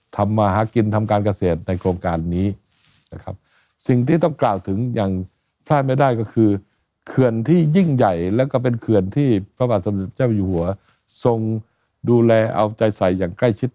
ที่พระบาทสมศิษย์เจ้าอยู่หัวทรงดูแลเอาใจใสอย่างใกล้ชิด